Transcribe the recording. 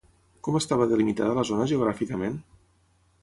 Com estava delimitada la zona geogràficament?